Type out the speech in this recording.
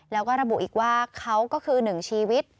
แล้วก็ระบุอีกว่าเขาก็คือหนึ่งชีวิต